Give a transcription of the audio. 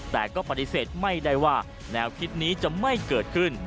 แต่ก็ปฏิเสธไม่ได้ว่าแนวคิดนี้จะไม่เกิดขึ้น